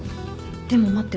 でも待って。